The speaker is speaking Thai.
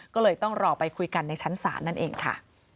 ก็เลยต้องรอไปคุยกันในชั้นศาลนั่นเองค่ะ